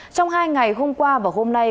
trong hai ngày hôm qua và hôm nay